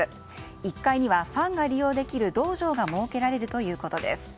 １階にはファンが利用できる道場が設けられるということです。